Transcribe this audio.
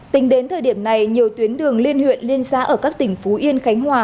tính đến thời điểm này nhiều tuyến đường liên huyện liên xã ở các tỉnh phú yên khánh hòa